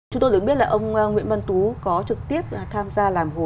chúng tôi được biết là ông nguyễn văn tú có trực tiếp tham gia làm hồ